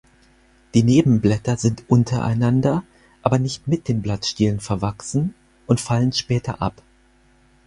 Die Nebenblätter sind untereinander, aber nicht mit den Blattstielen verwachsen und fallen spät ab.